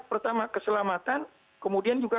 pertama keselamatan kemudian juga